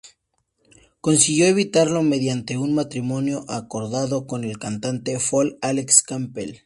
Consiguió evitarlo mediante un matrimonio acordado con el cantante folk Alex Campbell.